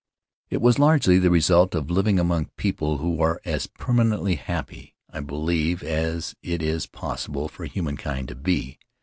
It was largely the result of living among people who are as permanently happy, I believe, as it is possible for humankind to be.